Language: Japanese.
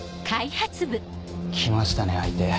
来ましたね相手。